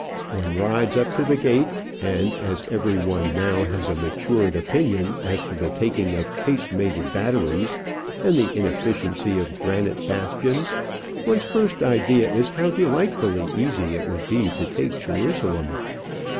One rides up to the gate, and as every one now has a matured opinion as to the taking of casemated batteries and the inefficiency of granite bastions, one's first idea is how delightfully easy it would be to take Jerusalem.